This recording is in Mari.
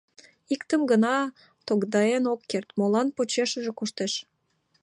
Иктым гына тогдаен ок керт: молан почешыже коштеш.